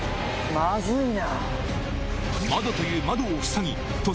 まずいな。